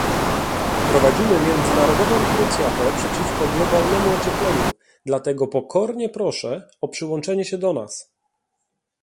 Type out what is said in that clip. Prowadzimy międzynarodową krucjatę przeciwko globalnemu ociepleniu, dlatego pokornie proszę o przyłączenie się do nas